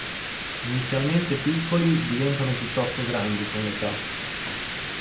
Inizialmente piccoli, diventano piuttosto grandi con l'età.